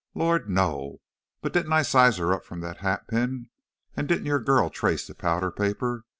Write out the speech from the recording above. "Lord, no! But didn't I size her up from the hatpin? and didn't your girl trace the powder paper?